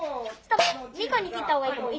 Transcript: ２個に切ったほうがいいと思う。